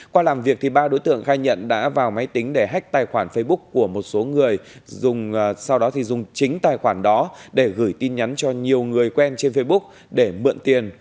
qua làm việc ba đối tượng khai nhận đã vào máy tính để hách tài khoản facebook của một số người dùng chính tài khoản đó để gửi tin nhắn cho nhiều người quen trên facebook để mượn tiền